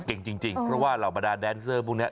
เก่งจริงเพราะว่าเหล่าบรรดาแดนเซอร์พวกนี้